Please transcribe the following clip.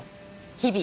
日々。